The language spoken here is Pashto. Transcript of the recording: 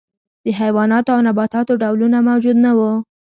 د حیواناتو او نباتاتو ډولونه موجود نه وو.